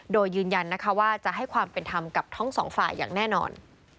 โดยยืนยันนะคะว่าจะให้ความเป็นธรรมกับทั้งสองฝ่ายอย่างแน่นอน